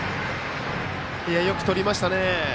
よくとりましたね。